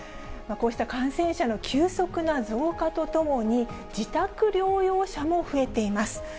こうした感染者の急速な増加とともに、自宅療養者も増えています。